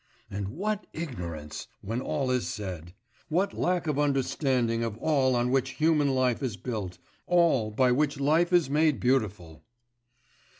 And what ignorance, when all is said! What lack of understanding of all on which human life is built, all by which life is made beautiful!